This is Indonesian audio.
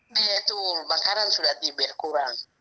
begitu makanan sudah diberkurang